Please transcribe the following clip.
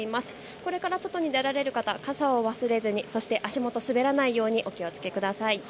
これから外に出られる方、傘を忘れずに、そして足元滑らないようお気をつけください。